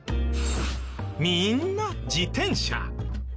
みんな自転車。